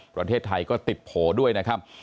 ประเทศไทยก็ติดโผล่ด้วยนะครับ